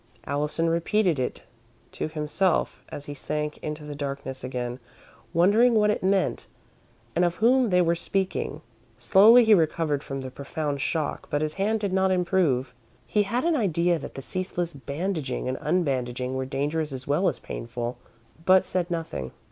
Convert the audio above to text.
Allison repeated it to himself as he sank into the darkness again, wondering what it meant and of whom they were speaking. Slowly he recovered from the profound shock, but his hand did not improve. He had an idea that the ceaseless bandaging and unbandaging were dangerous as well as painful, but said nothing.